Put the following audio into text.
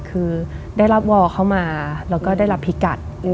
คือได้รับวอลเข้ามาแล้วก็ได้รับพิกัด